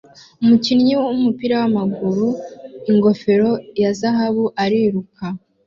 Umukinnyi wumupira wamaguru ingofero ya zahabu ariruka